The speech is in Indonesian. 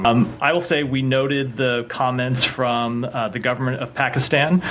saya akan mengatakan kami menetapkan komentar dari pemerintah pakistan